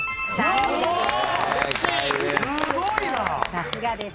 さすがです。